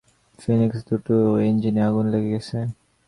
Phoenix, দুটো ইঞ্জিনেই আগুন লেগে গেছে।